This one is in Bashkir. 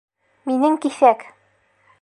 Минең киҫәк!